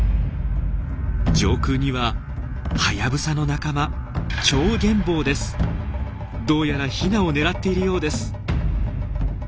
上空にはハヤブサの仲間どうやらヒナを狙っているようです。